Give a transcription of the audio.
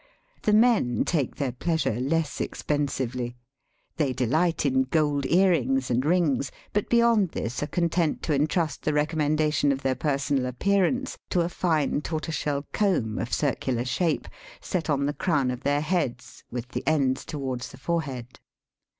The men take their pleasure less expensively. They delight in gold earrings and rings, but beyond this are content to entrust the recommendation of their personal appearance to a fine tortoise shell comb of circular shape, set on the crown of their heads, with the ends towards the fore head.